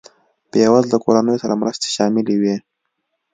بېوزله کورنیو سره مرستې شاملې وې.